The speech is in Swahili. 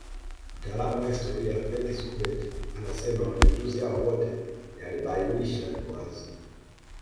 Mtaalamu wa historia Frank Schubert anasema mapinduzi ya Obote yalibainisha wazi